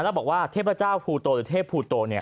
แล้วบอกว่าเทพเจ้าภูโตหรือเทพภูโต